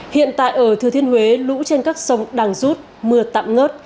hiện tại ở thừa thiên huế lũ trên các sông đang rút mưa tạm ngớt